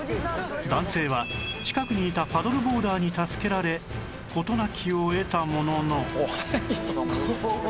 男性は近くにいたパドルボーダーに助けられ事なきを得たものの